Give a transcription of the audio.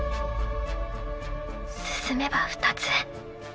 進めば２つ。